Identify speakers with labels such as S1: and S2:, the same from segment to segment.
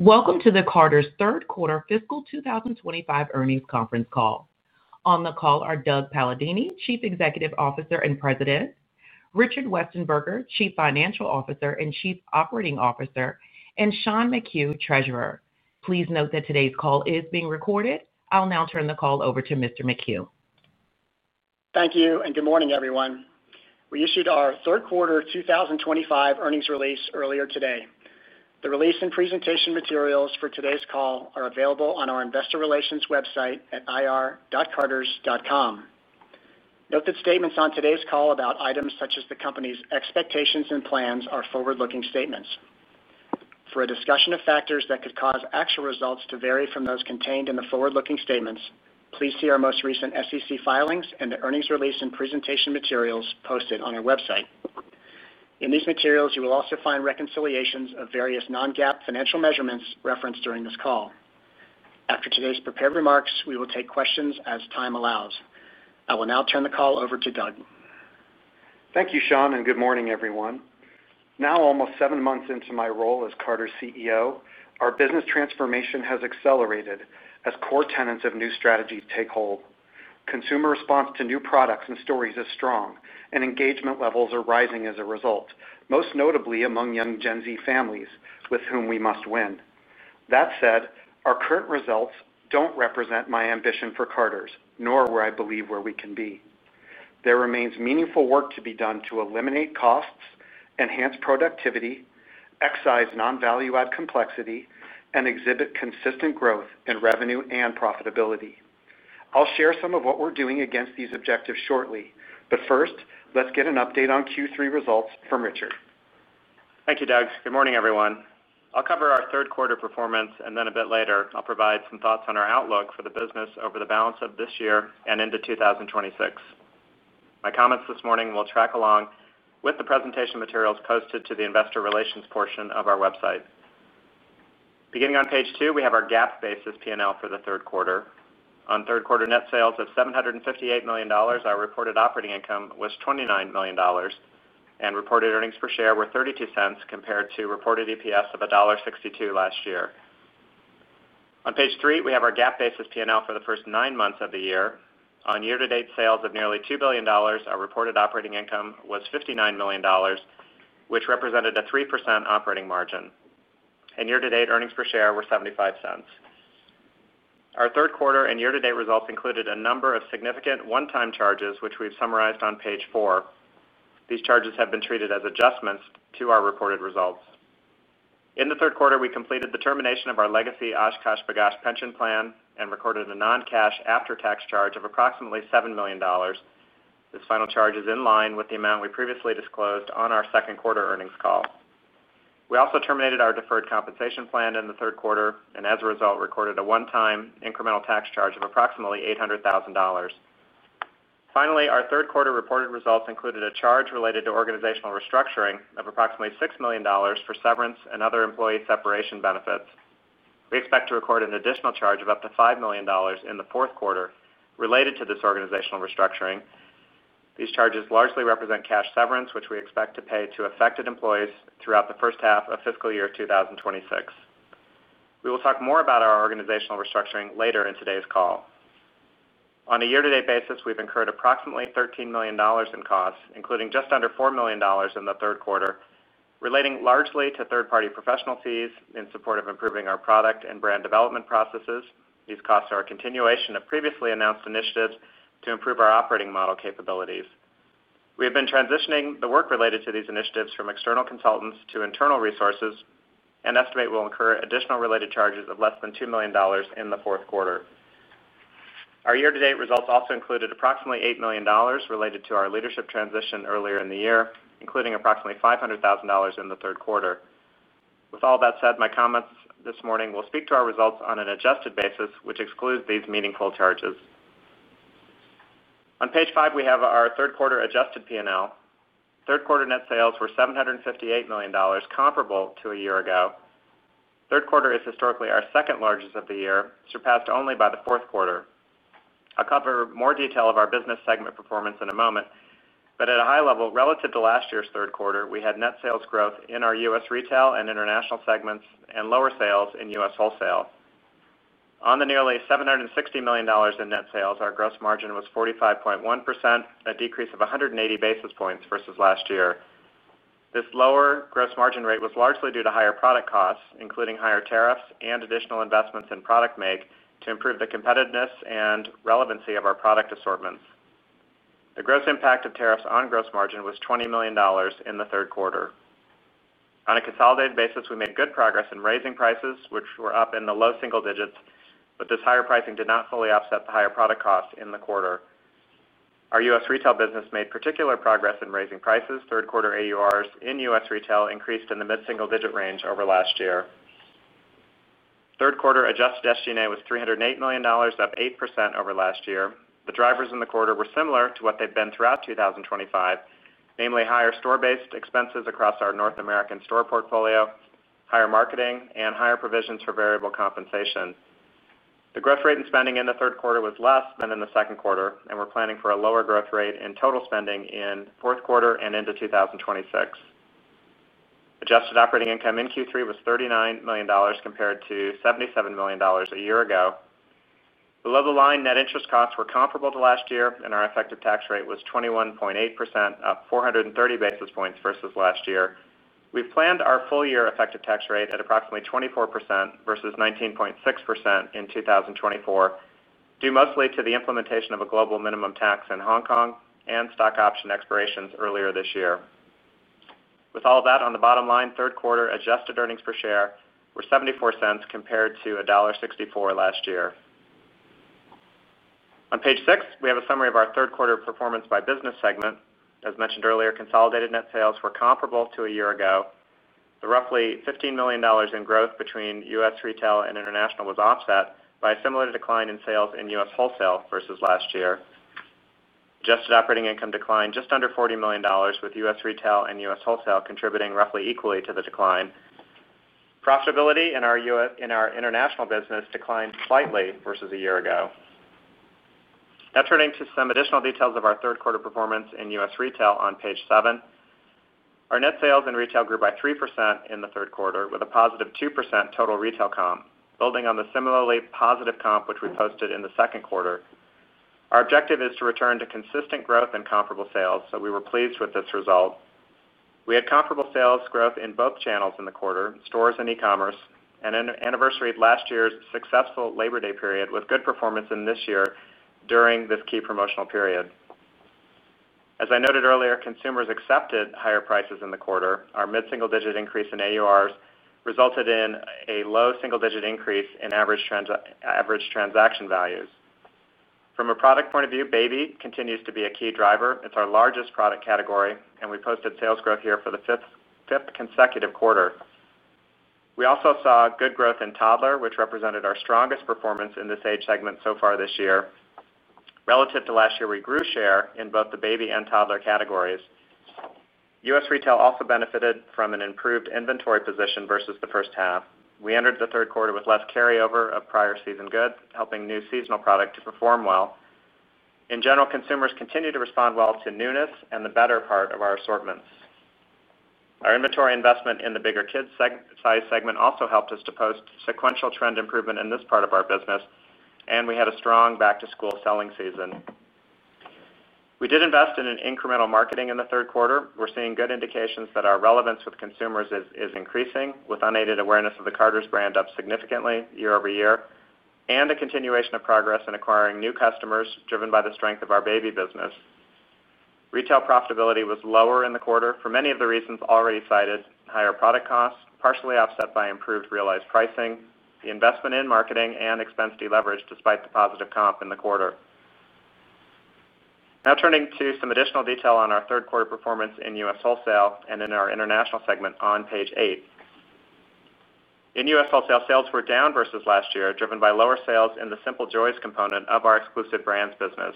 S1: Welcome to the Carter's third quarter fiscal 2025 earnings conference call. On the call are Doug Palladini, Chief Executive Officer and President, Richard Westenberger, Chief Financial Officer and Chief Operating Officer, and Sean McHugh, Treasurer. Please note that today's call is being recorded. I'll now turn the call over to Mr. McHugh.
S2: Thank you, and good morning, everyone. We issued our third quarter 2025 earnings release earlier today. The release and presentation materials for today's call are available on our investor relations website at ir.carters.com. Note that statements on today's call about items such as the company's expectations and plans are forward-looking statements. For a discussion of factors that could cause actual results to vary from those contained in the forward-looking statements, please see our most recent SEC filings and the earnings release and presentation materials posted on our website. In these materials, you will also find reconciliations of various non-GAAP financial measurements referenced during this call. After today's prepared remarks, we will take questions as time allows. I will now turn the call over to Doug.
S3: Thank you, Sean, and good morning, everyone. Now almost seven months into my role as Carter's CEO, our business transformation has accelerated as core tenets of new strategy take hold. Consumer response to new products and stories is strong, and engagement levels are rising as a result, most notably among young Gen Z families with whom we must win. That said, our current results don't represent my ambition for Carter's, nor where I believe we can be. There remains meaningful work to be done to eliminate costs, enhance productivity, excise non-value-add complexity, and exhibit consistent growth in revenue and profitability. I'll share some of what we're doing against these objectives shortly, but first, let's get an update on Q3 results from Richard.
S4: Thank you, Doug. Good morning, everyone. I'll cover our third quarter performance, and then a bit later, I'll provide some thoughts on our outlook for the business over the balance of this year and into 2026. My comments this morning will track along with the presentation materials posted to the investor relations portion of our website. Beginning on page two, we have our GAAP basis P&L for the third quarter. On third quarter net sales of $758 million, our reported operating income was $29 million, and reported earnings per share were $0.32 compared to reported EPS of $1.62 last year. On page three, we have our GAAP basis P&L for the first nine months of the year. On year-to-date sales of nearly $2 billion, our reported operating income was $59 million, which represented a 3% operating margin. Year-to-date earnings per share were $0.75. Our third quarter and year-to-date results included a number of significant one-time charges, which we've summarized on page four. These charges have been treated as adjustments to our reported results. In the third quarter, we completed the termination of our legacy OshKosh B'Gosh pension plan and recorded a non-cash after-tax charge of approximately $7 million. This final charge is in line with the amount we previously disclosed on our second quarter earnings call. We also terminated our deferred compensation plan in the third quarter, and as a result, recorded a one-time incremental tax charge of approximately $0.8 million. Finally, our third quarter reported results included a charge related to organizational restructuring of approximately $6 million for severance and other employee separation benefits. We expect to record an additional charge of up to $5 million in the fourth quarter related to this organizational restructuring. These charges largely represent cash severance, which we expect to pay to affected employees throughout the first half of fiscal year 2026. We will talk more about our organizational restructuring later in today's call. On a year-to-date basis, we've incurred approximately $13 million in costs, including just under $4 million in the third quarter, relating largely to third-party professional fees in support of improving our product and brand development processes. These costs are a continuation of previously announced initiatives to improve our operating model capabilities. We have been transitioning the work related to these initiatives from external consultants to internal resources and estimate we'll incur additional related charges of less than $2 million in the fourth quarter. Our year-to-date results also included approximately $8 million related to our leadership transition earlier in the year, including approximately $0.5 million in the third quarter. With all that said, my comments this morning will speak to our results on an adjusted basis, which excludes these meaningful charges. On page five, we have our third quarter adjusted P&L. Third quarter net sales were $758 million, comparable to a year ago. Third quarter is historically our second largest of the year, surpassed only by the fourth quarter. I'll cover more detail of our business segment performance in a moment, but at a high level, relative to last year's third quarter, we had net sales growth in our U.S. retail and international segments and lower sales in U.S. wholesale. On the nearly $760 million in net sales, our gross margin was 45.1%, a decrease of 180 basis points versus last year. This lower gross margin rate was largely due to higher product costs, including higher tariffs and additional investments in product make to improve the competitiveness and relevancy of our product assortments. The gross impact of tariffs on gross margin was $20 million in the third quarter. On a consolidated basis, we made good progress in raising prices, which were up in the low single digits, but this higher pricing did not fully offset the higher product costs in the quarter. Our U.S. retail business made particular progress in raising prices. Third quarter AURs in U.S. retail increased in the mid-single digit range over last year. Third quarter adjusted SG&A was $308 million, up 8% over last year. The drivers in the quarter were similar to what they've been throughout 2025, namely higher store-based expenses across our North American store portfolio, higher marketing, and higher provisions for variable compensation. The growth rate in spending in the third quarter was less than in the second quarter, and we're planning for a lower growth rate in total spending in the fourth quarter and into 2026. Adjusted operating income in Q3 was $39 million compared to $77 million a year ago. Below the line, net interest costs were comparable to last year, and our effective tax rate was 21.8%, up 430 basis points versus last year. We've planned our full-year effective tax rate at approximately 24% versus 19.6% in 2024, due mostly to the implementation of a global minimum tax in Hong Kong and stock option expirations earlier this year. With all of that on the bottom line, third quarter adjusted earnings per share were $0.74 compared to $1.64 last year. On page six, we have a summary of our third quarter performance by business segment. As mentioned earlier, consolidated net sales were comparable to a year ago. The roughly $15 million in growth between U.S. retail and international was offset by a similar decline in sales in U.S. wholesale versus last year. Adjusted operating income declined just under $40 million, with U.S. retail and U.S. wholesale contributing roughly equally to the decline. Profitability in our international business declined slightly versus a year ago. Now turning to some additional details of our third quarter performance in U.S. retail on page seven, our net sales in retail grew by 3% in the third quarter, with a positive 2% total retail comp, building on the similarly positive comp, which we posted in the second quarter. Our objective is to return to consistent growth in comparable sales, so we were pleased with this result. We had comparable sales growth in both channels in the quarter, stores and e-commerce, and an anniversary of last year's successful Labor Day period, with good performance in this year during this key promotional period. As I noted earlier, consumers accepted higher prices in the quarter. Our mid-single digit increase in AURs resulted in a low single digit increase in average transaction values. From a product point of view, baby continues to be a key driver. It's our largest product category, and we posted sales growth here for the fifth consecutive quarter. We also saw good growth in toddler, which represented our strongest performance in this age segment so far this year. Relative to last year, we grew share in both the baby and toddler categories. U.S. retail also benefited from an improved inventory position versus the first half. We entered the third quarter with less carryover of prior season goods, helping new seasonal product to perform well. In general, consumers continue to respond well to newness and the better part of our assortments. Our inventory investment in the bigger kids' size segment also helped us to post sequential trend improvement in this part of our business, and we had a strong back-to-school selling season. We did invest in incremental marketing in the third quarter. We're seeing good indications that our relevance with consumers is increasing, with unaided awareness of the Carter's brand up significantly year over year and a continuation of progress in acquiring new customers driven by the strength of our baby business. Retail profitability was lower in the quarter for many of the reasons already cited: higher product costs, partially offset by improved realized pricing, the investment in marketing, and expense de-leverage despite the positive comp in the quarter. Now turning to some additional detail on our third quarter performance in U.S. wholesale and in our international segment on page eight. In U.S. wholesale, sales were down versus last year, driven by lower sales in the Simple Joys component of our exclusive brands business.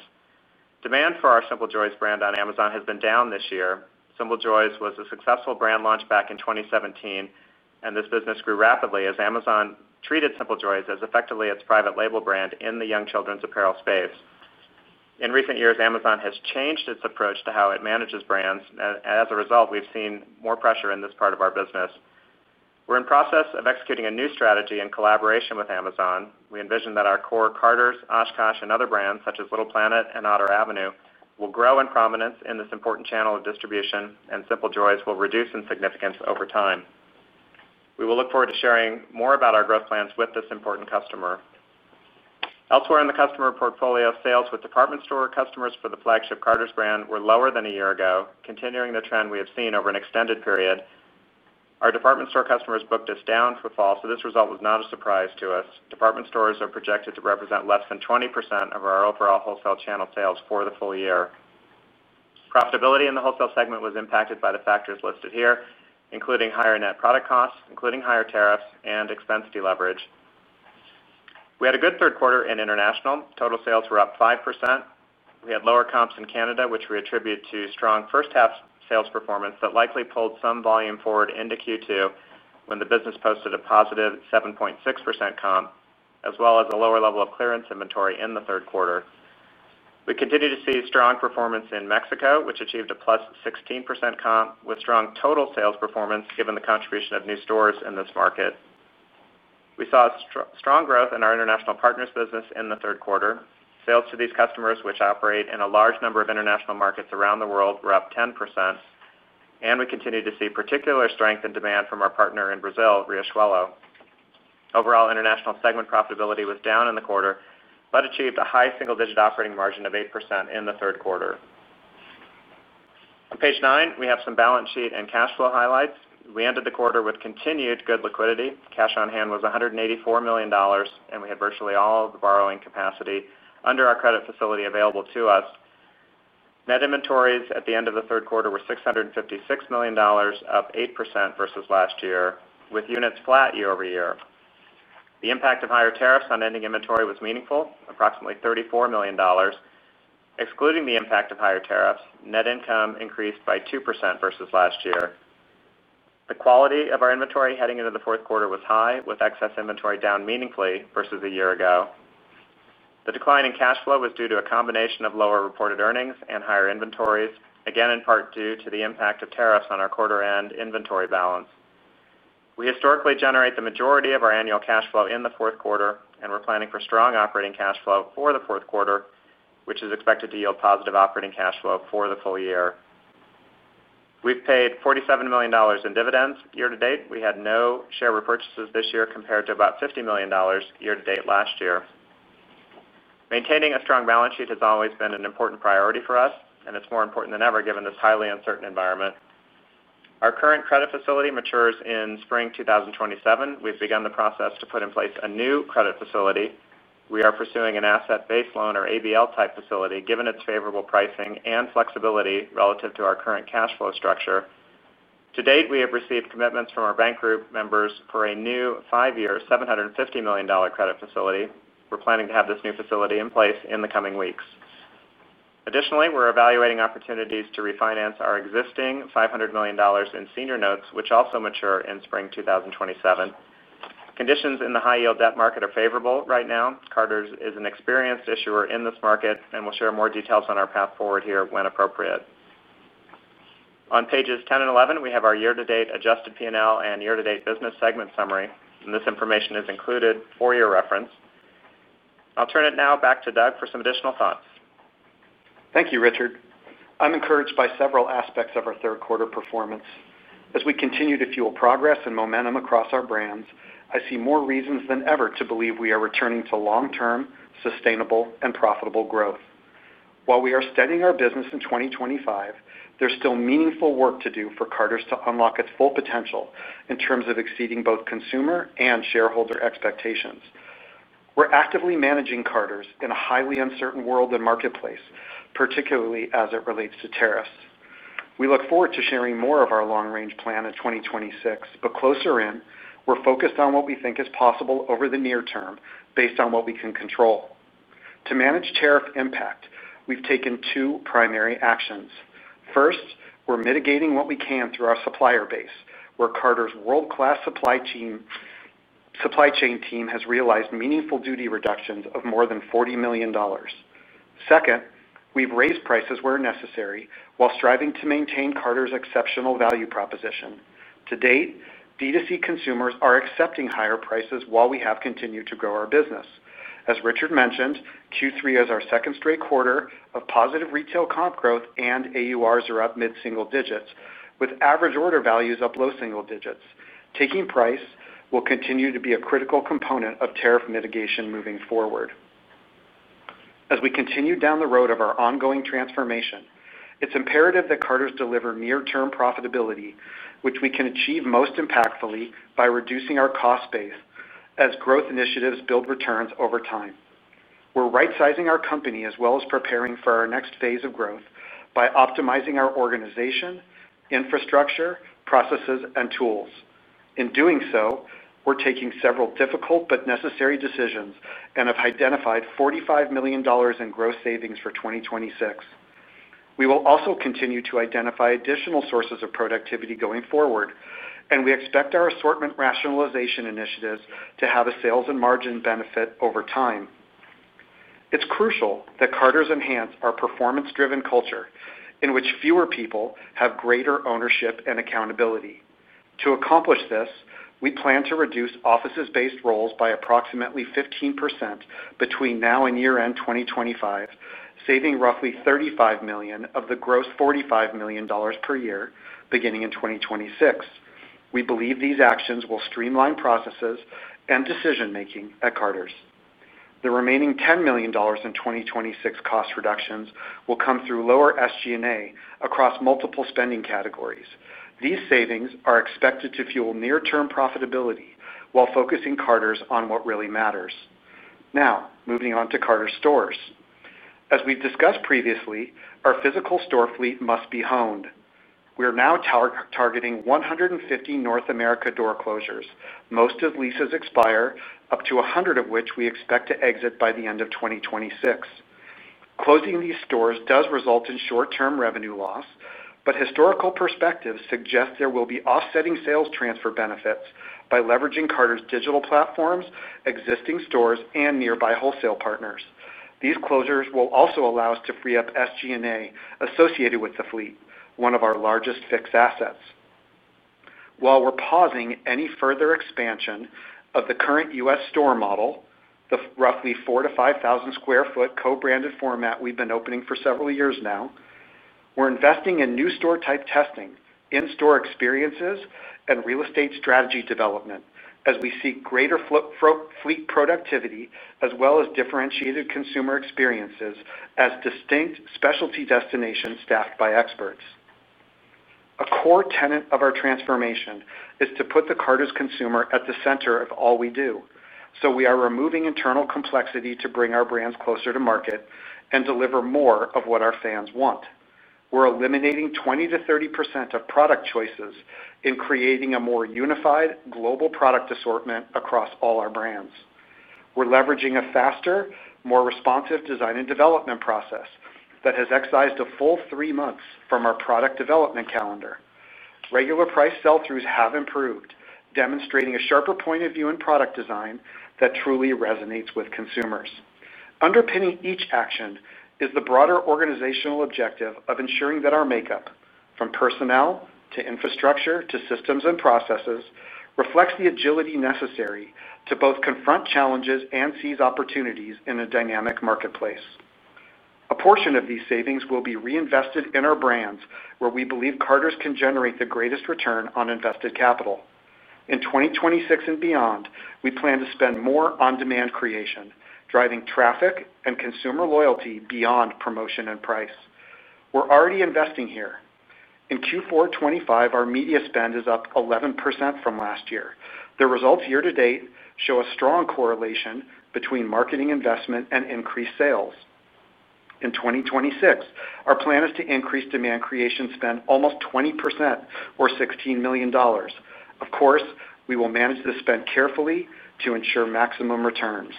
S4: Demand for our Simple Joys brand on Amazon has been down this year. Simple Joys was a successful brand launch back in 2017, and this business grew rapidly as Amazon treated Simple Joys as effectively its private label brand in the young children's apparel space. In recent years, Amazon has changed its approach to how it manages brands, and as a result, we've seen more pressure in this part of our business. We're in the process of executing a new strategy in collaboration with Amazon. We envision that our core Carter's, OshKosh B'Gosh, and other brands such as Little Planet and Otter Avenue will grow in prominence in this important channel of distribution, and Simple Joys will reduce in significance over time. We will look forward to sharing more about our growth plans with this important customer. Elsewhere in the customer portfolio, sales with department store customers for the flagship Carter's brand were lower than a year ago, continuing the trend we have seen over an extended period. Our department store customers booked us down for fall, so this result was not a surprise to us. Department stores are projected to represent less than 20% of our overall wholesale channel sales for the full year. Profitability in the wholesale segment was impacted by the factors listed here, including higher net product costs, including higher tariffs and expense de-leverage. We had a good third quarter in international. Total sales were up 5%. We had lower comps in Canada, which we attribute to strong first half sales performance that likely pulled some volume forward into Q2 when the business posted a positive 7.6% comp, as well as a lower level of clearance inventory in the third quarter. We continue to see strong performance in Mexico, which achieved a plus 16% comp, with strong total sales performance given the contribution of new stores in this market. We saw strong growth in our international partners' business in the third quarter. Sales to these customers, which operate in a large number of international markets around the world, were up 10%, and we continue to see particular strength in demand from our partner in Brazil, Riachuelo. Overall, international segment profitability was down in the quarter but achieved a high single-digit operating margin of 8% in the third quarter. On page nine, we have some balance sheet and cash flow highlights. We ended the quarter with continued good liquidity. Cash on hand was $184 million, and we had virtually all of the borrowing capacity under our credit facility available to us. Net inventories at the end of the third quarter were $656 million, up 8% versus last year, with units flat year over year. The impact of higher tariffs on ending inventory was meaningful, approximately $34 million. Excluding the impact of higher tariffs, net income increased by 2% versus last year. The quality of our inventory heading into the fourth quarter was high, with excess inventory down meaningfully versus a year ago. The decline in cash flow was due to a combination of lower reported earnings and higher inventories, again in part due to the impact of tariffs on our quarter-end inventory balance. We historically generate the majority of our annual cash flow in the fourth quarter, and we're planning for strong operating cash flow for the fourth quarter, which is expected to yield positive operating cash flow for the full year. We've paid $47 million in dividends year to date. We had no share repurchases this year compared to about $50 million year to date last year. Maintaining a strong balance sheet has always been an important priority for us, and it's more important than ever given this highly uncertain environment. Our current credit facility matures in spring 2027. We've begun the process to put in place a new credit facility. We are pursuing an asset-based loan or ABL-type facility given its favorable pricing and flexibility relative to our current cash flow structure. To date, we have received commitments from our bank group members for a new five-year $750 million credit facility. We're planning to have this new facility in place in the coming weeks. Additionally, we're evaluating opportunities to refinance our existing $500 million in senior notes, which also mature in spring 2027. Conditions in the high-yield debt market are favorable right now. Carter's is an experienced issuer in this market and will share more details on our path forward here when appropriate. On pages 10 and 11, we have our year-to-date adjusted P&L and year-to-date business segment summary, and this information is included for your reference. I'll turn it now back to Doug for some additional thoughts.
S3: Thank you, Richard. I'm encouraged by several aspects of our third quarter performance. As we continue to fuel progress and momentum across our brands, I see more reasons than ever to believe we are returning to long-term, sustainable, and profitable growth. While we are steadying our business in 2025, there's still meaningful work to do for Carter's to unlock its full potential in terms of exceeding both consumer and shareholder expectations. We're actively managing Carter's in a highly uncertain world and marketplace, particularly as it relates to tariffs. We look forward to sharing more of our long-range plan in 2026. Closer in, we're focused on what we think is possible over the near term based on what we can control. To manage tariff impact, we've taken two primary actions. First, we're mitigating what we can through our supplier base, where Carter's world-class supply chain team has realized meaningful duty reductions of more than $40 million. Second, we've raised prices where necessary while striving to maintain Carter's exceptional value proposition. To date, B2C consumers are accepting higher prices while we have continued to grow our business. As Richard mentioned, Q3 is our second straight quarter of positive retail comp growth, and AURs are up mid-single digits, with average order values up low single digits. Taking price will continue to be a critical component of tariff mitigation moving forward. As we continue down the road of our ongoing transformation, it's imperative that Carter's deliver near-term profitability, which we can achieve most impactfully by reducing our cost base as growth initiatives build returns over time. We're right-sizing our company as well as preparing for our next phase of growth by optimizing our organization, infrastructure, processes, and tools. In doing so, we're taking several difficult but necessary decisions and have identified $45 million in gross savings for 2026. We will also continue to identify additional sources of productivity going forward, and we expect our assortment rationalization initiatives to have a sales and margin benefit over time. It's crucial that Carter's enhance our performance-driven culture, in which fewer people have greater ownership and accountability. To accomplish this, we plan to reduce office-based roles by approximately 15% between now and year-end 2025, saving roughly $35 million of the gross $45 million per year beginning in 2026. We believe these actions will streamline processes and decision-making at Carter's. The remaining $10 million in 2026 cost reductions will come through lower SG&A across multiple spending categories. These savings are expected to fuel near-term profitability while focusing Carter's on what really matters. Now, moving on to Carter's stores. As we've discussed previously, our physical store fleet must be honed. We are now targeting 150 North America door closures. Most of leases expire, up to 100 of which we expect to exit by the end of 2026. Closing these stores does result in short-term revenue loss, but historical perspectives suggest there will be offsetting sales transfer benefits by leveraging Carter's digital platforms, existing stores, and nearby wholesale partners. These closures will also allow us to free up SG&A associated with the fleet, one of our largest fixed assets. While we're pausing any further expansion of the current U.S. store model, the roughly 4,000 sq ft-5,000 sq ft co-branded format we've been opening for several years now, we're investing in new store type testing, in-store experiences, and real estate strategy development as we seek greater fleet productivity, as well as differentiated consumer experiences as distinct specialty destinations staffed by experts. A core tenet of our transformation is to put the Carter's consumer at the center of all we do. We are removing internal complexity to bring our brands closer to market and deliver more of what our fans want. We're eliminating 20%-30% of product choices in creating a more unified global product assortment across all our brands. We're leveraging a faster, more responsive design and development process that has excised a full three months from our product development calendar. Regular price sell-throughs have improved, demonstrating a sharper point of view in product design that truly resonates with consumers. Underpinning each action is the broader organizational objective of ensuring that our makeup, from personnel to infrastructure to systems and processes, reflects the agility necessary to both confront challenges and seize opportunities in a dynamic marketplace. A portion of these savings will be reinvested in our brands, where we believe Carter's can generate the greatest return on invested capital. In 2026 and beyond, we plan to spend more on demand creation, driving traffic and consumer loyalty beyond promotion and price. We're already investing here. In Q4 2025, our media spend is up 11% from last year. The results year to date show a strong correlation between marketing investment and increased sales. In 2026, our plan is to increase demand creation spend almost 20% or $16 million. Of course, we will manage the spend carefully to ensure maximum returns.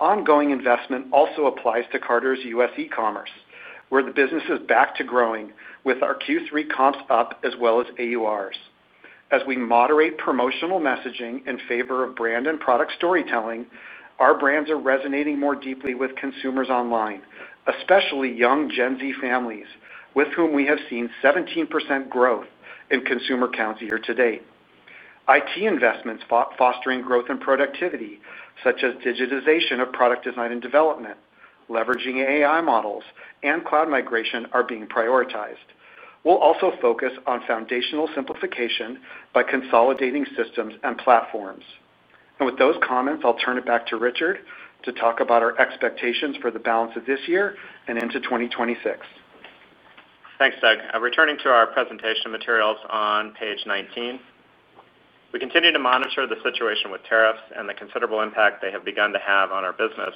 S3: Ongoing investment also applies to Carter's U.S. e-commerce, where the business is back to growing with our Q3 comps up as well as AURs. As we moderate promotional messaging in favor of brand and product storytelling, our brands are resonating more deeply with consumers online, especially young Gen Z families, with whom we have seen 17% growth in consumer counts year to date. IT investments fostering growth and productivity, such as digitization of product design and development, leveraging AI models, and cloud migration are being prioritized. We will also focus on foundational simplification by consolidating systems and platforms. With those comments, I'll turn it back to Richard to talk about our expectations for the balance of this year and into 2026.
S4: Thanks, Doug. Returning to our presentation materials on page 19, we continue to monitor the situation with tariffs and the considerable impact they have begun to have on our business.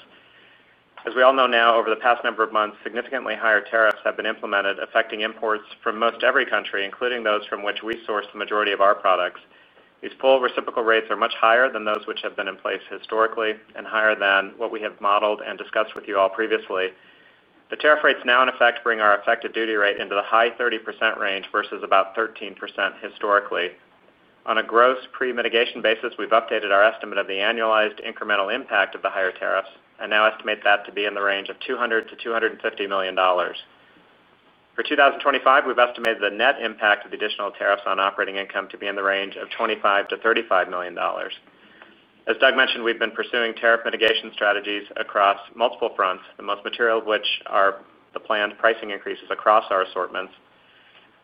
S4: As we all know now, over the past number of months, significantly higher tariffs have been implemented, affecting imports from most every country, including those from which we source the majority of our products. These full reciprocal rates are much higher than those which have been in place historically and higher than what we have modeled and discussed with you all previously. The tariff rates now, in effect, bring our effective duty rate into the high 30% range versus about 13% historically. On a gross pre-mitigation basis, we've updated our estimate of the annualized incremental impact of the higher tariffs and now estimate that to be in the range of $200-$250 million. For 2025, we've estimated the net impact of the additional tariffs on operating income to be in the range of $25-$35 million. As Doug mentioned, we've been pursuing tariff mitigation strategies across multiple fronts, the most material of which are the planned pricing increases across our assortments.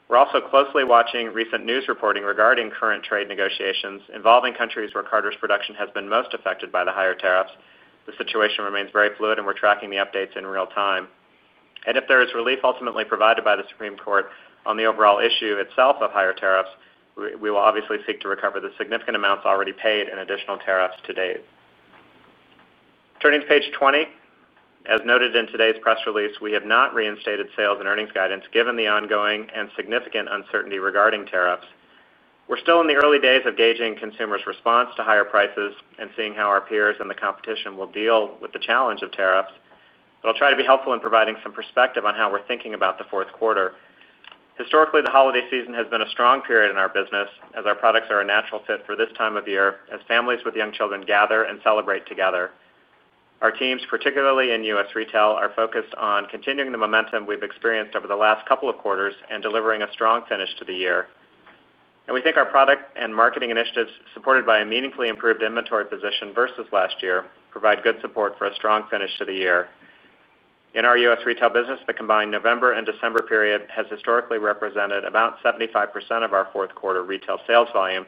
S4: We're also closely watching recent news reporting regarding current trade negotiations involving countries where Carter's production has been most affected by the higher tariffs. The situation remains very fluid, and we're tracking the updates in real time. If there is relief ultimately provided by the Supreme Court on the overall issue itself of higher tariffs, we will obviously seek to recover the significant amounts already paid in additional tariffs to date. Turning to page 20, as noted in today's press release, we have not reinstated sales and earnings guidance given the ongoing and significant uncertainty regarding tariffs. We're still in the early days of gauging consumers' response to higher prices and seeing how our peers and the competition will deal with the challenge of tariffs. I'll try to be helpful in providing some perspective on how we're thinking about the fourth quarter. Historically, the holiday season has been a strong period in our business, as our products are a natural fit for this time of year as families with young children gather and celebrate together. Our teams, particularly in U.S. retail, are focused on continuing the momentum we've experienced over the last couple of quarters and delivering a strong finish to the year. We think our product and marketing initiatives, supported by a meaningfully improved inventory position versus last year, provide good support for a strong finish to the year. In our U.S. retail business, the combined November and December period has historically represented about 75% of our fourth quarter retail sales volume.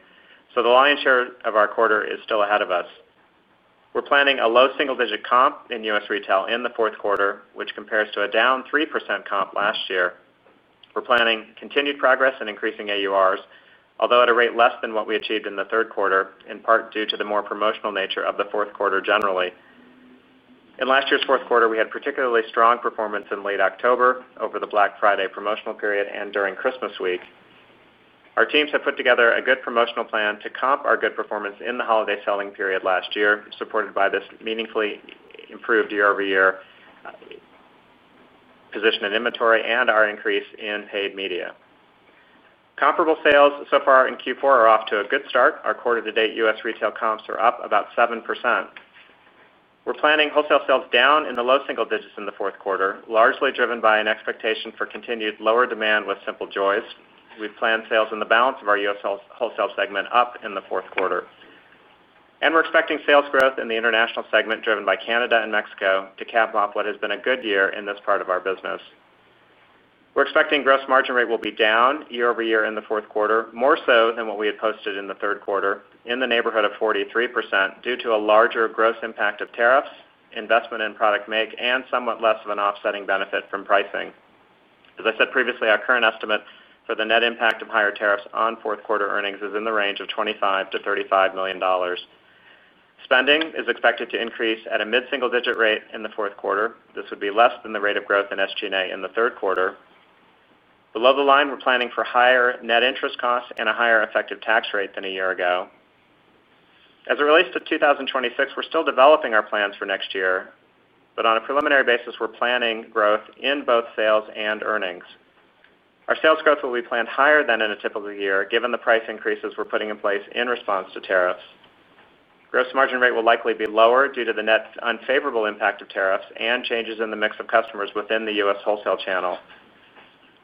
S4: The lion's share of our quarter is still ahead of us. We're planning a low single-digit comp in U.S. retail in the fourth quarter, which compares to a down 3% comp last year. We're planning continued progress and increasing AURs, although at a rate less than what we achieved in the third quarter, in part due to the more promotional nature of the fourth quarter generally. In last year's fourth quarter, we had particularly strong performance in late October over the Black Friday promotional period and during Christmas week. Our teams have put together a good promotional plan to comp our good performance in the holiday selling period last year, supported by this meaningfully improved year-over-year position in inventory and our increase in paid media. Comparable sales so far in Q4 are off to a good start. Our quarter-to-date U.S. retail comps are up about 7%. We're planning wholesale sales down in the low single digits in the fourth quarter, largely driven by an expectation for continued lower demand with Simple Joys. We've planned sales in the balance of our U.S. wholesale segment up in the fourth quarter. We're expecting sales growth in the international segment driven by Canada and Mexico to cap off what has been a good year in this part of our business. We're expecting gross margin rate will be down year over year in the fourth quarter, more so than what we had posted in the third quarter, in the neighborhood of 43% due to a larger gross impact of tariffs, investment in product make, and somewhat less of an offsetting benefit from pricing. As I said previously, our current estimate for the net impact of higher tariffs on fourth quarter earnings is in the range of $25 million-$35 million. Spending is expected to increase at a mid-single digit rate in the fourth quarter. This would be less than the rate of growth in SG&A in the third quarter. Below the line, we're planning for higher net interest costs and a higher effective tax rate than a year ago. As it relates to 2026, we're still developing our plans for next year, but on a preliminary basis, we're planning growth in both sales and earnings. Our sales growth will be planned higher than in a typical year, given the price increases we're putting in place in response to tariffs. Gross margin rate will likely be lower due to the net unfavorable impact of tariffs and changes in the mix of customers within the U.S. wholesale channel.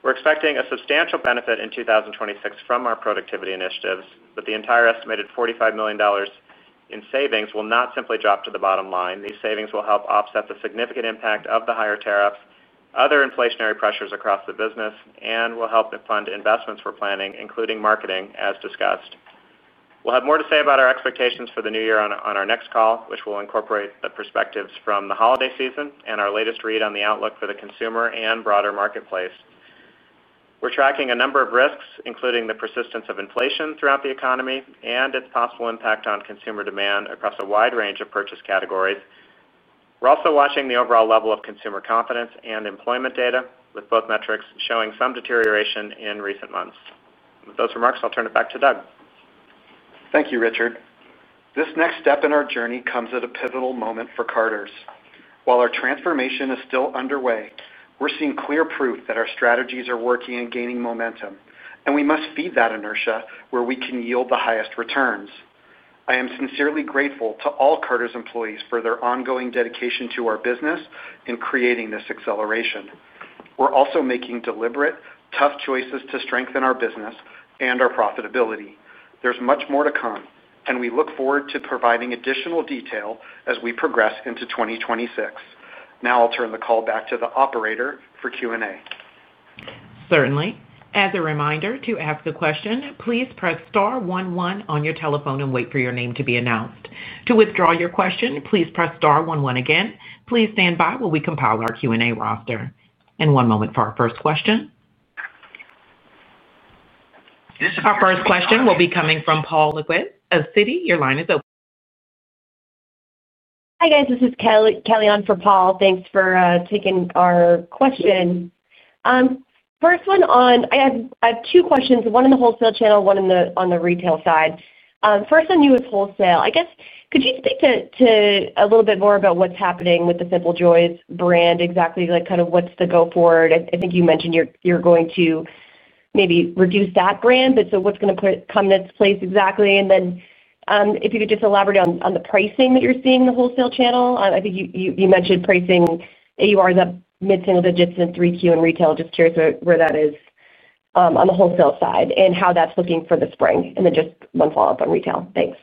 S4: We're expecting a substantial benefit in 2026 from our productivity initiatives, but the entire estimated $45 million in savings will not simply drop to the bottom line. These savings will help offset the significant impact of the higher tariffs, other inflationary pressures across the business, and will help fund investments we're planning, including marketing, as discussed. We'll have more to say about our expectations for the new year on our next call, which will incorporate the perspectives from the holiday season and our latest read on the outlook for the consumer and broader marketplace. We're tracking a number of risks, including the persistence of inflation throughout the economy and its possible impact on consumer demand across a wide range of purchase categories. We're also watching the overall level of consumer confidence and employment data, with both metrics showing some deterioration in recent months. With those remarks, I'll turn it back to Doug.
S3: Thank you, Richard. This next step in our journey comes at a pivotal moment for Carter's. While our transformation is still underway, we're seeing clear proof that our strategies are working and gaining momentum, and we must feed that inertia where we can yield the highest returns. I am sincerely grateful to all Carter's employees for their ongoing dedication to our business in creating this acceleration. We're also making deliberate, tough choices to strengthen our business and our profitability. There's much more to come, and we look forward to providing additional detail as we progress into 2026. Now I'll turn the call back to the operator for Q&A.
S1: Certainly. As a reminder, to ask a question, please press star one one on your telephone and wait for your name to be announced. To withdraw your question, please press star one one again. Please stand by while we compile our Q&A roster. One moment for our first question. Our first question will be coming from Paul Lejuez of Citi. Your line is open.
S5: Hi guys, this is Kelly. Kelly on from Paul. Thanks for taking our question. First one on, I have two questions, one in the wholesale channel, one on the retail side. First on wholesale, could you speak to a little bit more about what's happening with the Simple Joys brand exactly, like kind of what's the go forward? I think you mentioned you're going to maybe reduce that brand, but what's going to come in its place exactly? If you could just elaborate on the pricing that you're seeing in the wholesale channel. I think you mentioned pricing AURs up mid-single digits in Q3 and retail. Just curious where that is on the wholesale side and how that's looking for the spring. One follow-up on retail. Thanks.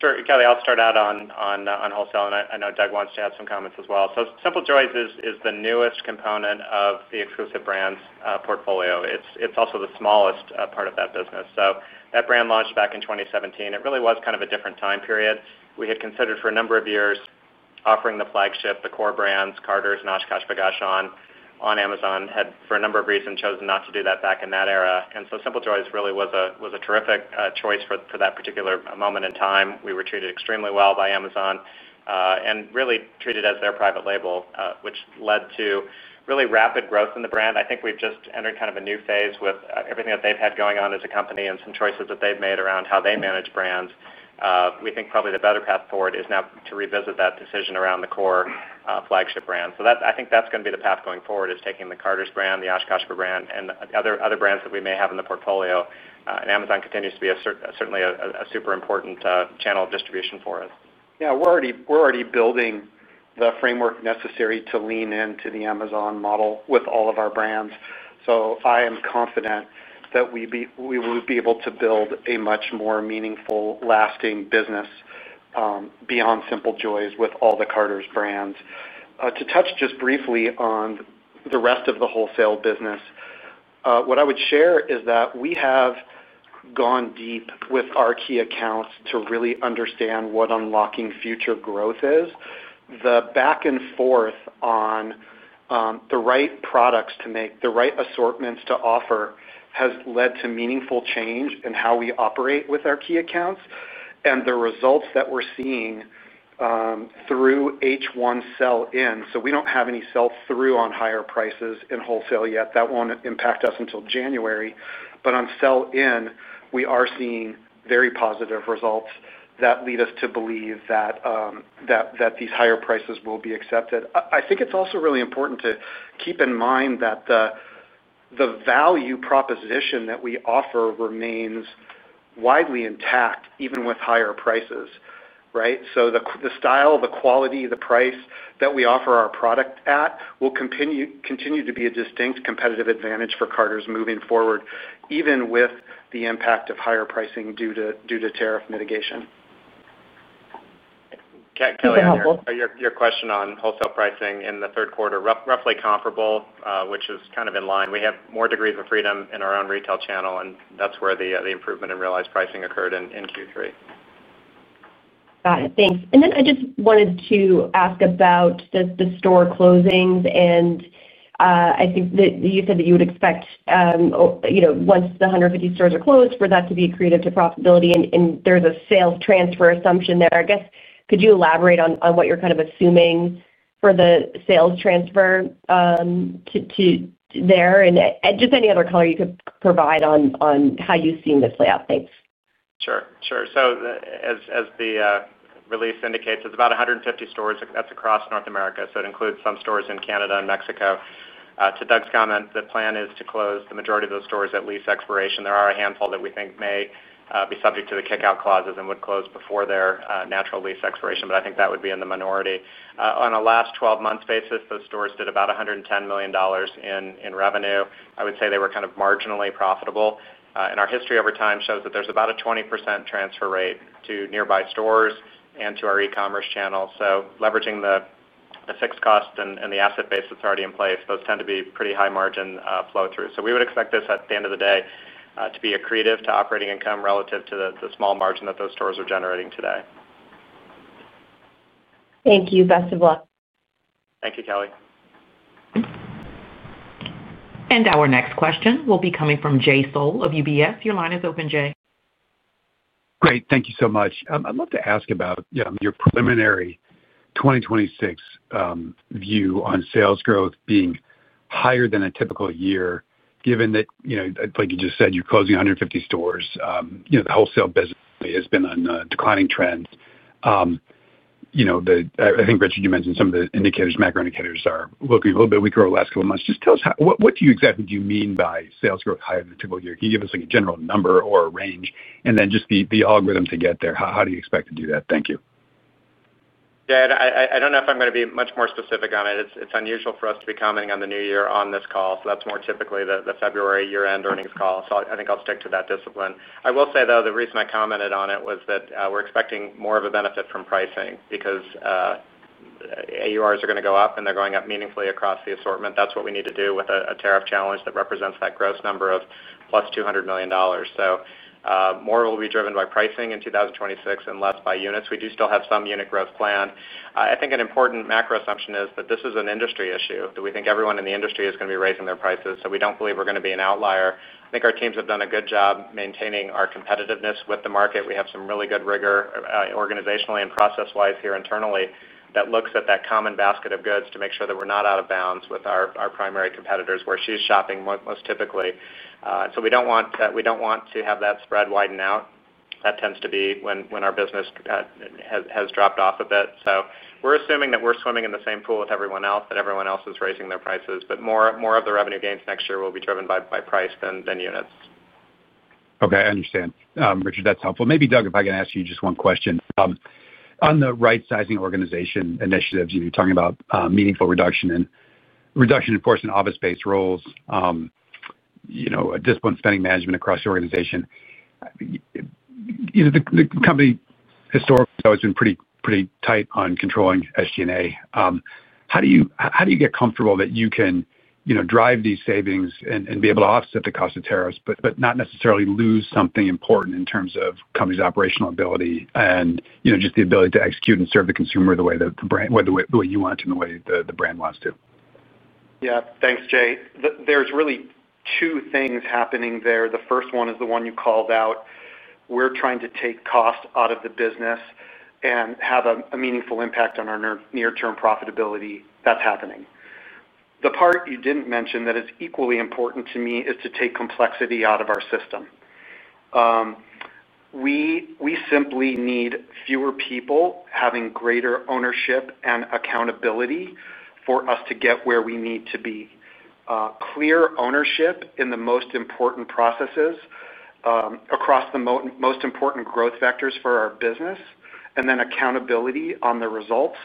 S4: Sure. Kelly, I'll start out on wholesale, and I know Doug wants to add some comments as well. Simple Joys is the newest component of the exclusive brands portfolio. It's also the smallest part of that business. That brand launched back in 2017. It really was kind of a different time period. We had considered for a number of years offering the flagship, the core brands, Carter's, and OshKosh B'Gosh on Amazon. For a number of reasons, we had chosen not to do that back in that era. Simple Joys really was a terrific choice for that particular moment in time. We were treated extremely well by Amazon and really treated as their private label, which led to really rapid growth in the brand. I think we've just entered kind of a new phase with everything that they've had going on as a company and some choices that they've made around how they manage brands. We think probably the better path forward is now to revisit that decision around the core flagship brand. I think that's going to be the path going forward, taking the Carter's brand, the OshKosh B'gosh brand, and other brands that we may have in the portfolio. Amazon continues to be certainly a super important channel of distribution for us.
S3: Yeah, we're already building the framework necessary to lean into the Amazon model with all of our brands. I am confident that we will be able to build a much more meaningful, lasting business beyond Simple Joys with all the Carter's brands. To touch just briefly on the rest of the wholesale business, what I would share is that we have gone deep with our key accounts to really understand what unlocking future growth is. The back and forth on the right products to make, the right assortments to offer, has led to meaningful change in how we operate with our key accounts and the results that we're seeing through H1 sell-in. We don't have any sell-through on higher prices in wholesale yet. That won't impact us until January. On sell-in, we are seeing very positive results that lead us to believe that these higher prices will be accepted. I think it's also really important to keep in mind that the value proposition that we offer remains widely intact, even with higher prices, right? The style, the quality, the price that we offer our product at will continue to be a distinct competitive advantage for Carter's moving forward, even with the impact of higher pricing due to tariff mitigation.
S4: Kelly, your question on wholesale pricing in the third quarter, roughly comparable, which is kind of in line. We have more degrees of freedom in our own retail channel, and that's where the improvement in realized pricing occurred in Q3.
S5: Got it. Thanks. I just wanted to ask about the store closings. I think that you said that you would expect, once the 150 stores are closed, for that to be accretive to profitability. There's a sales transfer assumption there. Could you elaborate on what you're assuming for the sales transfer there and provide any other color on how you've seen this play out? Thanks.
S4: Sure. As the release indicates, it's about 150 stores that's across North America. It includes some stores in Canada and Mexico. To Doug's comment, the plan is to close the majority of those stores at lease expiration. There are a handful that we think may be subject to the kick-out clauses and would close before their natural lease expiration, but I think that would be in the minority. On a last 12 months basis, those stores did about $110 million in revenue. I would say they were kind of marginally profitable. Our history over time shows that there's about a 20% transfer rate to nearby stores and to our e-commerce channel. Leveraging the fixed cost and the asset base that's already in place, those tend to be pretty high margin flow-through. We would expect this at the end of the day to be accretive to operating income relative to the small margin that those stores are generating today.
S5: Thank you. Best of luck.
S4: Thank you, Kelly.
S1: Our next question will be coming from Jay Sole of UBS. Your line is open, Jay.
S6: Great. Thank you so much. I'd love to ask about your preliminary 2026 view on sales growth being higher than a typical year, given that, you know, like you just said, you're closing 150 stores. The wholesale business has been on a declining trend. I think, Richard, you mentioned some of the indicators, macro indicators are looking a little bit weaker over the last couple of months. Just tell us, what exactly do you mean by sales growth higher than a typical year? Can you give us a general number or a range? The algorithm to get there, how do you expect to do that? Thank you.
S4: Yeah, I don't know if I'm going to be much more specific on it. It's unusual for us to be commenting on the new year on this call. That's more typically the February year-end earnings call. I think I'll stick to that discipline. I will say, though, the reason I commented on it was that we're expecting more of a benefit from pricing because AURs are going to go up and they're going up meaningfully across the assortment. That's what we need to do with a tariff challenge that represents that gross number of plus $200 million. More will be driven by pricing in 2026 and less by units. We do still have some unit growth planned. I think an important macro assumption is that this is an industry issue, that we think everyone in the industry is going to be raising their prices. We don't believe we're going to be an outlier. I think our teams have done a good job maintaining our competitiveness with the market. We have some really good rigor organizationally and process-wise here internally that looks at that common basket of goods to make sure that we're not out of bounds with our primary competitors, where she's shopping most typically. We don't want to have that spread widen out. That tends to be when our business has dropped off a bit. We're assuming that we're swimming in the same pool with everyone else, that everyone else is raising their prices. More of the revenue gains next year will be driven by price than units.
S6: Okay, I understand. Richard, that's helpful. Maybe, Doug, if I can ask you just one question. On the right-sizing organization initiatives, you're talking about meaningful reduction in enforcement, office-based roles, disciplined spending management across the organization. The company historically has always been pretty tight on controlling SG&A. How do you get comfortable that you can drive these savings and be able to offset the cost of tariffs, but not necessarily lose something important in terms of the company's operational ability and just the ability to execute and serve the consumer the way you want and the way the brand wants to?
S3: Yeah, thanks, Jay. There are really two things happening there. The first one is the one you called out. We're trying to take cost out of the business and have a meaningful impact on our near-term profitability. That's happening. The part you didn't mention that is equally important to me is to take complexity out of our system. We simply need fewer people having greater ownership and accountability for us to get where we need to be. Clear ownership in the most important processes across the most important growth vectors for our business, and then accountability on the results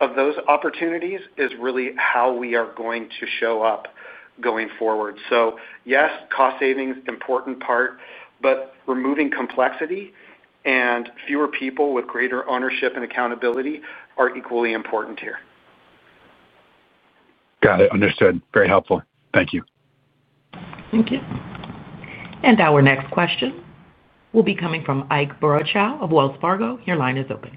S3: of those opportunities is really how we are going to show up going forward. Yes, cost savings, important part, but removing complexity and fewer people with greater ownership and accountability are equally important here.
S6: Got it. Understood. Very helpful. Thank you.
S1: Thank you. Our next question will be coming from Ike Boruchow of Wells Fargo. Your line is open.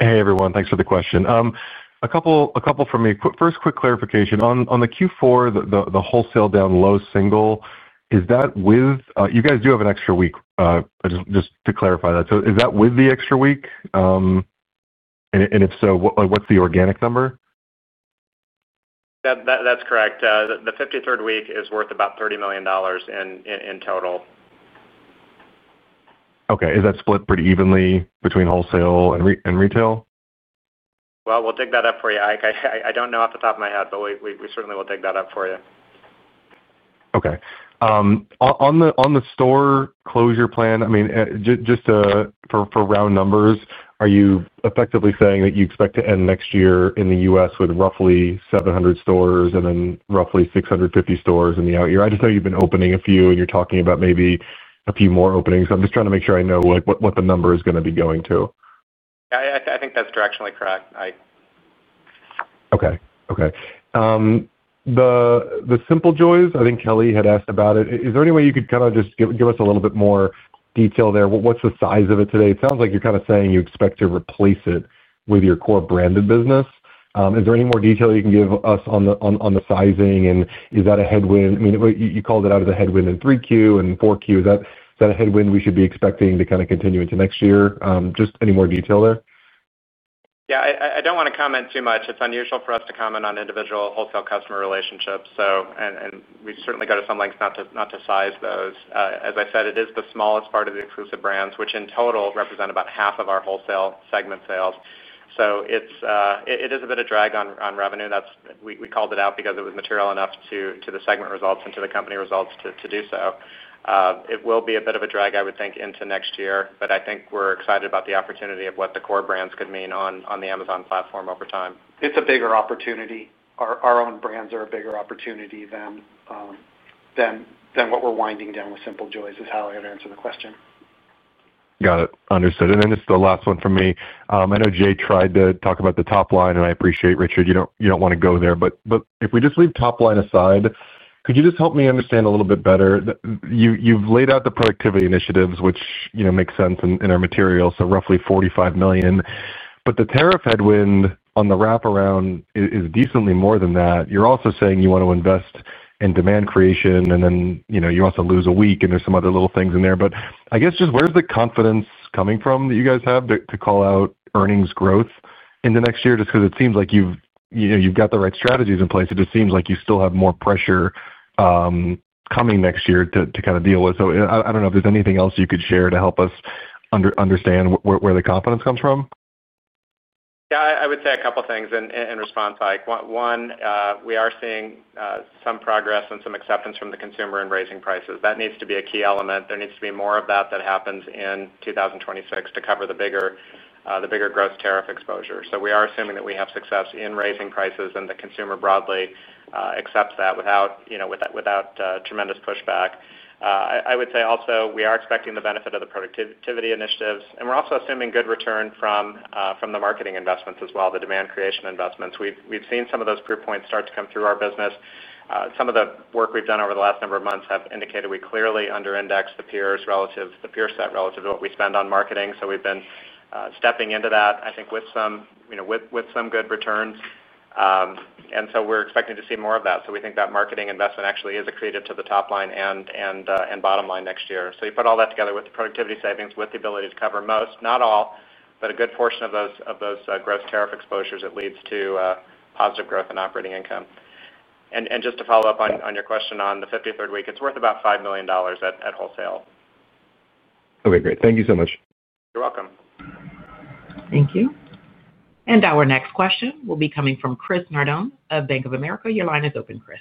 S7: Hey everyone, thanks for the question. A couple from me. First, quick clarification. On the Q4, the wholesale down low single, is that with, you guys do have an extra week just to clarify that. Is that with the extra week? If so, what's the organic number?
S4: That's correct. The 53rd week is worth about $30 million in total.
S7: Okay. Is that split pretty evenly between wholesale and retail?
S4: We will dig that up for you, Ike. I don't know off the top of my head, but we certainly will dig that up for you.
S7: Okay. On the store closure plan, just for round numbers, are you effectively saying that you expect to end next year in the U.S. with roughly 700 stores and then roughly 650 stores in the out year? I just know you've been opening a few and you're talking about maybe a few more openings. I'm just trying to make sure I know what the number is going to be going to.
S4: Yeah, I think that's directionally correct, Ike.
S7: Okay. The Simple Joys, I think Kelly had asked about it. Is there any way you could kind of just give us a little bit more detail there? What's the size of it today? It sounds like you're kind of saying you expect to replace it with your core branded business. Is there any more detail you can give us on the sizing and is that a headwind? I mean, you called it out as a headwind in 3Q and 4Q. Is that a headwind we should be expecting to kind of continue into next year? Just any more detail there?
S4: Yeah, I don't want to comment too much. It's unusual for us to comment on individual wholesale customer relationships, and we certainly go to some lengths not to size those. As I said, it is the smallest part of the exclusive brands, which in total represent about half of our wholesale segment sales. It is a bit of a drag on revenue. We called it out because it was material enough to the segment results and to the company results to do so. It will be a bit of a drag, I would think, into next year, but I think we're excited about the opportunity of what the core brands could mean on the Amazon platform over time.
S3: It's a bigger opportunity. Our own brands are a bigger opportunity than what we're winding down with Simple Joys, is how I would answer the question.
S7: Got it. Understood. Just the last one for me. I know Jay tried to talk about the top line, and I appreciate, Richard, you don't want to go there. If we just leave top line aside, could you help me understand a little bit better? You've laid out the productivity initiatives, which makes sense in our material, so roughly $45 million. The tariff headwind on the wraparound is decently more than that. You're also saying you want to invest in demand creation, and you also lose a week, and there's some other little things in there. I guess just where's the confidence coming from that you guys have to call out earnings growth into next year? It seems like you've got the right strategies in place. It just seems like you still have more pressure coming next year to kind of deal with. I don't know if there's anything else you could share to help us understand where the confidence comes from.
S4: Yeah, I would say a couple of things in response, Ike. One, we are seeing some progress and some acceptance from the consumer in raising prices. That needs to be a key element. There needs to be more of that that happens in 2026 to cover the bigger gross tariff exposure. We are assuming that we have success in raising prices and the consumer broadly accepts that without tremendous pushback. I would say also we are expecting the benefit of the productivity initiatives, and we're also assuming good return from the marketing investments as well, the demand creation investments. We've seen some of those proof points start to come through our business. Some of the work we've done over the last number of months have indicated we clearly under-index the peers relative to what we spend on marketing. We've been stepping into that, I think, with some good returns. We are expecting to see more of that. We think that marketing investment actually is accretive to the top line and bottom line next year. You put all that together with the productivity savings, with the ability to cover most, not all, but a good portion of those gross tariff exposures, that leads to positive growth in operating income. Just to follow up on your question on the 53rd week, it's worth about $5 million at wholesale.
S7: Okay, great. Thank you so much.
S4: You're welcome.
S1: Thank you. Our next question will be coming from Christopher Nardone of Bank of America. Your line is open, Chris.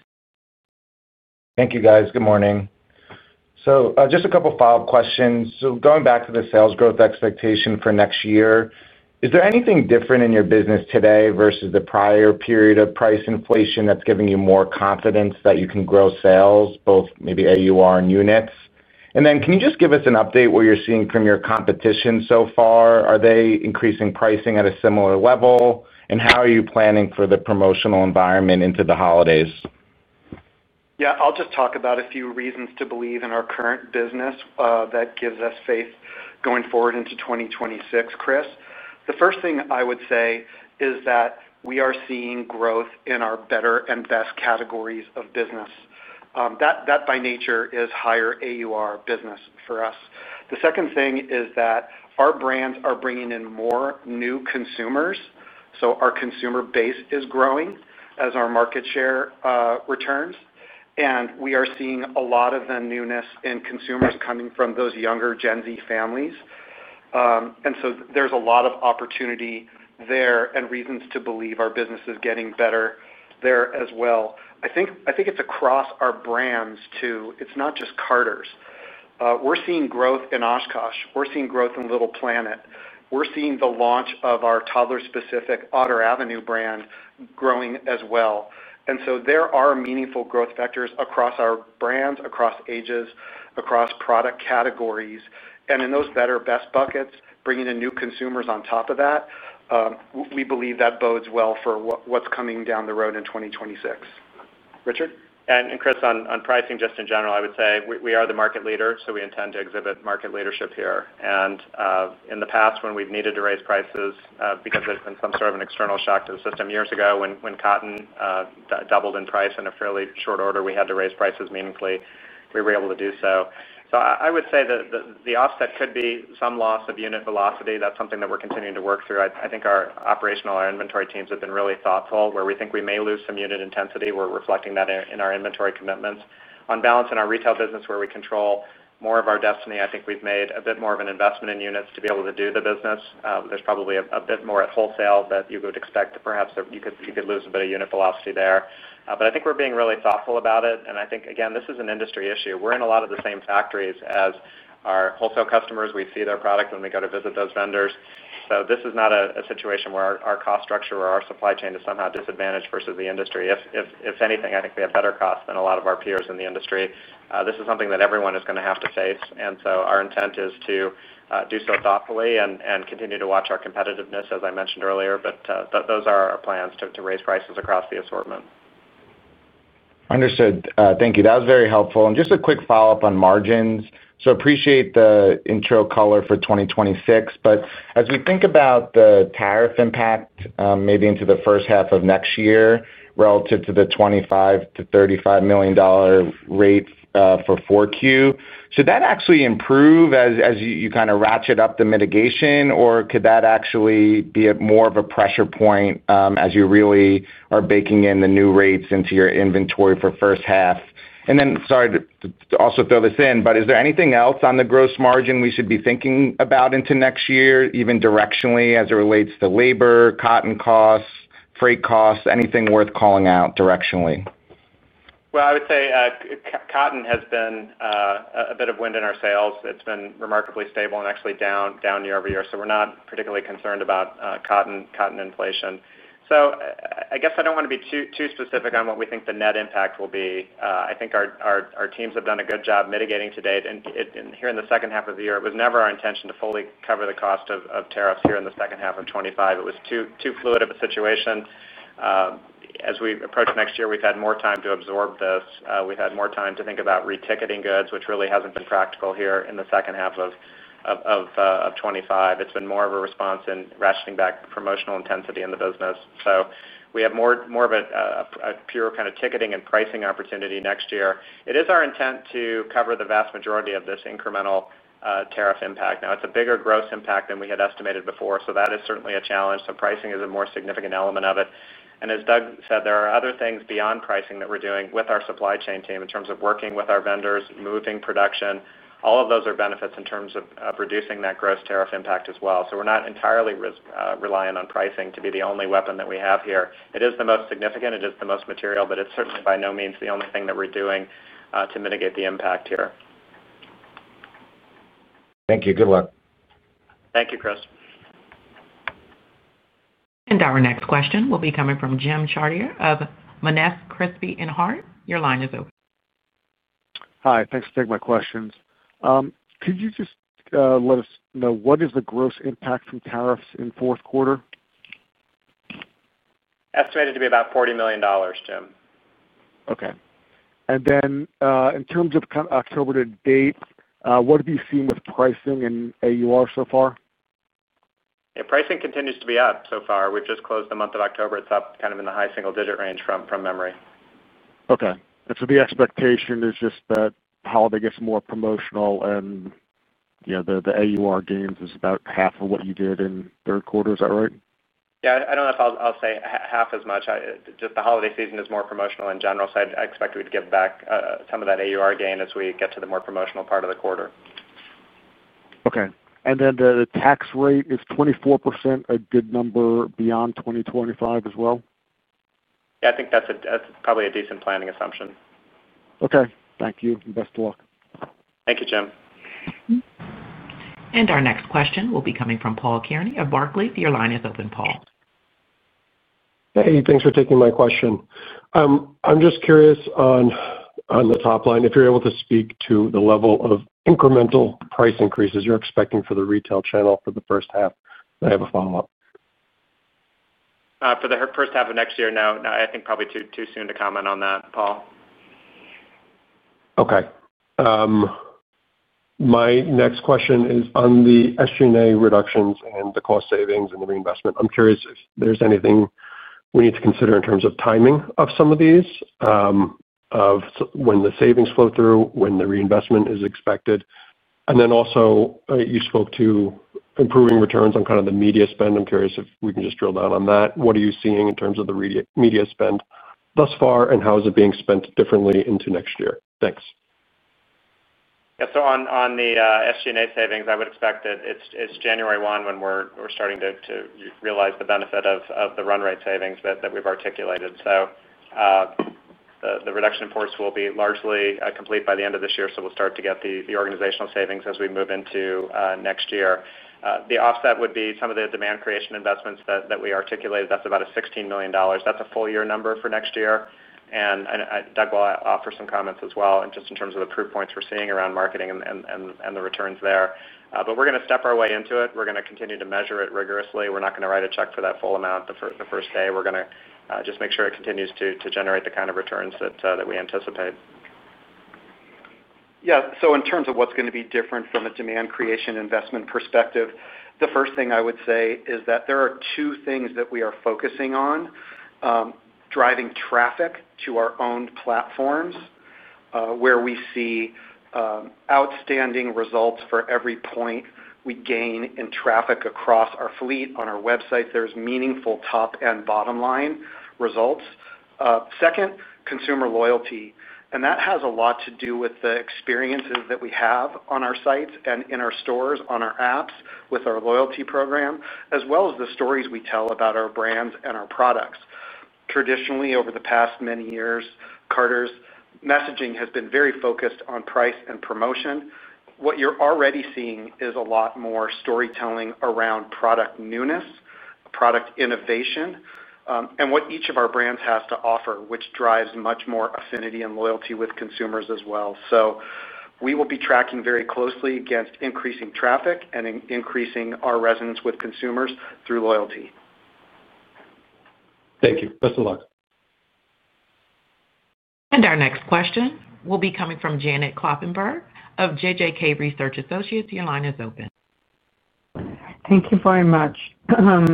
S8: Thank you, guys. Good morning. Just a couple of follow-up questions. Going back to the sales growth expectation for next year, is there anything different in your business today versus the prior period of price inflation that's giving you more confidence that you can grow sales, both maybe AUR and units? Can you just give us an update where you're seeing from your competition so far? Are they increasing pricing at a similar level? How are you planning for the promotional environment into the holidays?
S3: Yeah, I'll just talk about a few reasons to believe in our current business that gives us faith going forward into 2026, Chris. The first thing I would say is that we are seeing growth in our better and best categories of business. That, by nature, is higher AUR business for us. The second thing is that our brands are bringing in more new consumers. Our consumer base is growing as our market share returns. We are seeing a lot of the newness in consumers coming from those younger Gen Z families. There is a lot of opportunity there and reasons to believe our business is getting better there as well. I think it's across our brands too. It's not just Carter's. We're seeing growth in OshKosh B'Gosh. We're seeing growth in Little Planet. We're seeing the launch of our toddler-specific Otter Avenue brand growing as well. There are meaningful growth vectors across our brands, across ages, across product categories. In those better best buckets, bringing in new consumers on top of that, we believe that bodes well for what's coming down the road in 2026. Richard?
S4: Chris, on pricing just in general, I would say we are the market leader, so we intend to exhibit market leadership here. In the past, when we've needed to raise prices because there's been some sort of an external shock to the system, years ago when cotton doubled in price in a fairly short order, we had to raise prices meaningfully. We were able to do so. I would say that the offset could be some loss of unit velocity. That's something that we're continuing to work through. I think our operational, our inventory teams have been really thoughtful where we think we may lose some unit intensity. We're reflecting that in our inventory commitments. On balance, in our retail business where we control more of our destiny, I think we've made a bit more of an investment in units to be able to do the business. There's probably a bit more at wholesale that you would expect that perhaps you could lose a bit of unit velocity there. I think we're being really thoughtful about it. I think, again, this is an industry issue. We're in a lot of the same factories as our wholesale customers. We see their product when we go to visit those vendors. This is not a situation where our cost structure or our supply chain is somehow disadvantaged versus the industry. If anything, I think we have better costs than a lot of our peers in the industry. This is something that everyone is going to have to face. Our intent is to do so thoughtfully and continue to watch our competitiveness, as I mentioned earlier. Those are our plans to raise prices across the assortment.
S8: Understood. Thank you. That was very helpful. Just a quick follow-up on margins. I appreciate the intro color for 2026. As we think about the tariff impact maybe into the first half of next year relative to the $25 million-$35 million rates for Q4, should that actually improve as you kind of ratchet up the mitigation, or could that actually be more of a pressure point as you really are baking in the new rates into your inventory for the first half? Sorry to also throw this in, but is there anything else on the gross margin we should be thinking about into next year, even directionally as it relates to labor, cotton costs, freight costs, anything worth calling out directionally?
S4: Cotton has been a bit of wind in our sails. It's been remarkably stable and actually down year over year. We're not particularly concerned about cotton inflation. I don't want to be too specific on what we think the net impact will be. I think our teams have done a good job mitigating to date. Here in the second half of the year, it was never our intention to fully cover the cost of tariffs here in the second half of 2025. It was too fluid of a situation. As we approach next year, we've had more time to absorb this. We've had more time to think about reticketing goods, which really hasn't been practical here in the second half of 2025. It's been more of a response in ratcheting back promotional intensity in the business. We have more of a pure kind of ticketing and pricing opportunity next year. It is our intent to cover the vast majority of this incremental tariff impact. Now, it's a bigger gross impact than we had estimated before. That is certainly a challenge. Pricing is a more significant element of it. As Doug Palladini said, there are other things beyond pricing that we're doing with our supply chain team in terms of working with our vendors, moving production. All of those are benefits in terms of reducing that gross tariff impact as well. We're not entirely reliant on pricing to be the only weapon that we have here. It is the most significant. It is the most material, but it's certainly by no means the only thing that we're doing to mitigate the impact here.
S8: Thank you. Good luck.
S4: Thank you, Chris.
S1: Our next question will be coming from Jim Chartier of Monness, Crespi & Hardt. Your line is open.
S9: Hi, thanks for taking my questions. Could you just let us know what is the gross impact from tariffs in fourth quarter?
S4: Estimated to be about $40 million, Jim.
S9: Okay. In terms of October to date, what have you seen with pricing and AUR so far?
S4: Yeah, pricing continues to be up so far. We've just closed the month of October. It's up kind of in the high single-digit range from memory.
S9: Okay. The expectation is just that the holiday gets more promotional, and the AUR gains are about half of what you did in the third quarter. Is that right?
S4: Yeah, I don't know if I'll say half as much. The holiday season is more promotional in general, so I expect we'd give back some of that AUR gain as we get to the more promotional part of the quarter.
S9: Okay. Is the tax rate 24% a good number beyond 2025 as well?
S4: Yeah, I think that's probably a decent planning assumption.
S9: Okay, thank you and best of luck.
S4: Thank you, Jim.
S1: Our next question will be coming from Paul Kelly of Barclays. Your line is open, Paul. Hey, thanks for taking my question. I'm just curious on the top line. If you're able to speak to the level of incremental price increases you're expecting for the retail channel for the first half, I have a follow-up.
S4: For the first half of next year, no, I think probably too soon to comment on that, Paul. Okay. My next question is on the SG&A reductions and the cost savings and the reinvestment. I'm curious if there's anything we need to consider in terms of timing of some of these, of when the savings flow through, when the reinvestment is expected. Also, you spoke to improving returns on kind of the media spend. I'm curious if we can just drill down on that. What are you seeing in terms of the media spend thus far and how is it being spent differently into next year? Thanks. Yeah, on the SG&A savings, I would expect that it's January 1 when we're starting to realize the benefit of the run rate savings that we've articulated. The reduction force will be largely complete by the end of this year. We'll start to get the organizational savings as we move into next year. The offset would be some of the demand creation investments that we articulated. That's about $16 million. That's a full year number for next year. Doug will offer some comments as well, just in terms of the proof points we're seeing around marketing and the returns there. We're going to step our way into it. We're going to continue to measure it rigorously. We're not going to write a check for that full amount the first day. We're going to just make sure it continues to generate the kind of returns that we anticipate.
S3: Yeah, in terms of what's going to be different from a demand creation investment perspective, the first thing I would say is that there are two things that we are focusing on: driving traffic to our owned platforms, where we see outstanding results for every point we gain in traffic across our fleet on our website. There's meaningful top and bottom line results. Second, consumer loyalty. That has a lot to do with the experiences that we have on our sites and in our stores, on our apps, with our loyalty program, as well as the stories we tell about our brands and our products. Traditionally, over the past many years, Carter's messaging has been very focused on price and promotion. What you're already seeing is a lot more storytelling around product newness, product innovation, and what each of our brands has to offer, which drives much more affinity and loyalty with consumers as well. We will be tracking very closely against increasing traffic and increasing our resonance with consumers through loyalty. Thank you. Best of luck.
S1: Our next question will be coming from Janet Kloppenberg of JJK Research Associates. Your line is open.
S10: Thank you very much. Thank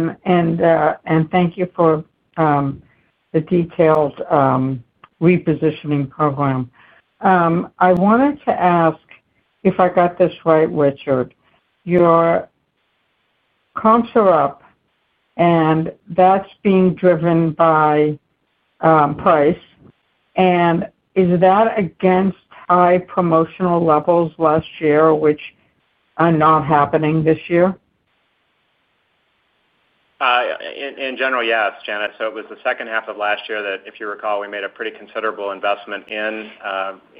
S10: you for the detailed repositioning program. I wanted to ask, if I got this right, Richard, your comps are up, and that's being driven by price. Is that against high promotional levels last year, which are not happening this year?
S4: In general, yes, Janet. It was the second half of last year that, if you recall, we made a pretty considerable investment in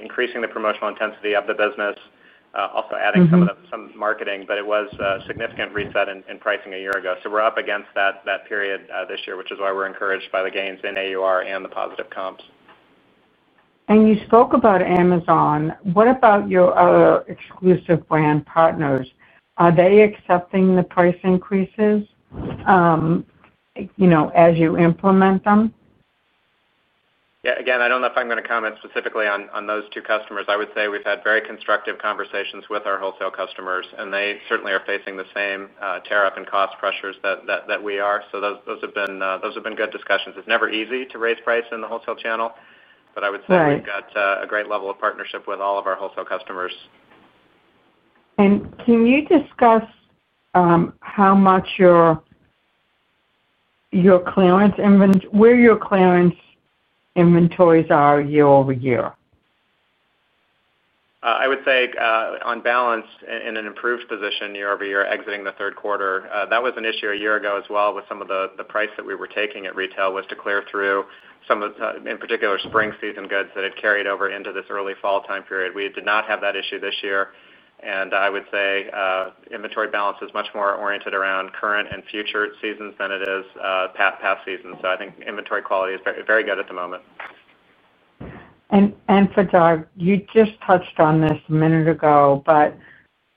S4: increasing the promotional intensity of the business, also adding some marketing. It was a significant reset in pricing a year ago. We're up against that period this year, which is why we're encouraged by the gains in AUR and the positive comps.
S10: You spoke about Amazon. What about your other exclusive brand partners? Are they accepting the price increases as you implement them?
S4: I don't know if I'm going to comment specifically on those two customers. I would say we've had very constructive conversations with our wholesale customers, and they certainly are facing the same tariff and cost pressures that we are. Those have been good discussions. It's never easy to raise price in the wholesale channel, but I would say we've got a great level of partnership with all of our wholesale customers.
S10: Can you discuss how much your clearance, where your clearance inventories are year over year?
S4: I would say on balance, in an improved position year over year, exiting the third quarter. That was an issue a year ago as well, with some of the price that we were taking at retail was to clear through some of, in particular, spring season goods that had carried over into this early fall time period. We did not have that issue this year. I would say inventory balance is much more oriented around current and future seasons than it is past seasons. I think inventory quality is very good at the moment.
S10: Doug, you just touched on this a minute ago.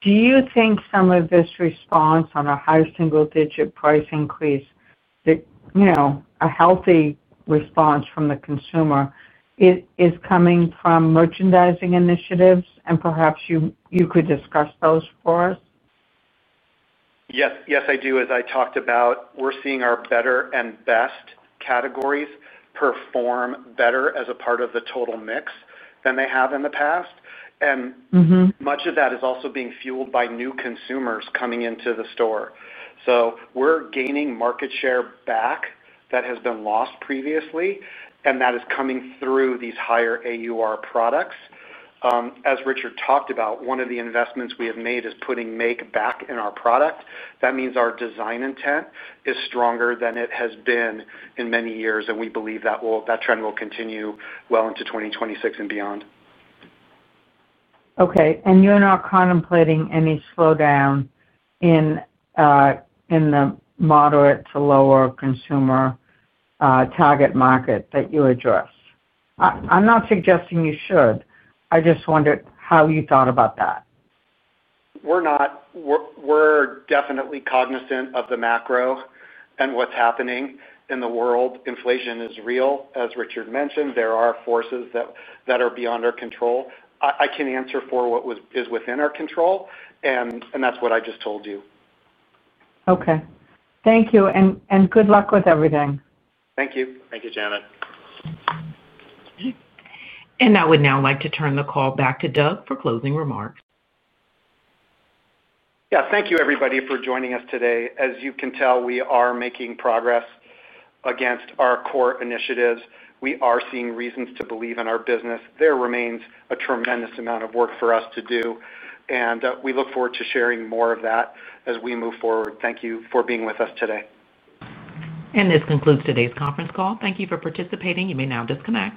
S10: Do you think some of this response on a high single-digit price increase, that you know a healthy response from the consumer, is coming from merchandising initiatives? Perhaps you could discuss those for us.
S3: Yes, I do. As I talked about, we're seeing our better and best categories perform better as a part of the total mix than they have in the past. Much of that is also being fueled by new consumers coming into the store. We're gaining market share back that has been lost previously, and that is coming through these higher AUR products. As Richard talked about, one of the investments we have made is putting make back in our product. That means our design intent is stronger than it has been in many years, and we believe that trend will continue well into 2026 and beyond.
S10: Okay. You're not contemplating any slowdown in the moderate to lower consumer target market that you address? I'm not suggesting you should. I just wondered how you thought about that.
S3: We're definitely cognizant of the macro and what's happening in the world. Inflation is real, as Richard mentioned. There are forces that are beyond our control. I can answer for what is within our control, and that's what I just told you.
S10: Okay, thank you, and good luck with everything.
S3: Thank you.
S4: Thank you, Janet.
S1: I would now like to turn the call back to Doug for closing remarks.
S3: Thank you, everybody, for joining us today. As you can tell, we are making progress against our core initiatives. We are seeing reasons to believe in our business. There remains a tremendous amount of work for us to do, and we look forward to sharing more of that as we move forward. Thank you for being with us today.
S1: This concludes today's conference call. Thank you for participating. You may now disconnect.